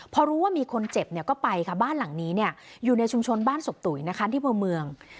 พอรู้ว่ามีคนเจ็บเนี่ยก็ไปค่ะบ้านหลังนี้เนี่ยอยู่ในชุมชนบ้านศพตุ๋ยนะคะที่อำเภอเมือง